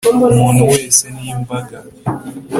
umuntu wese ni imbaga.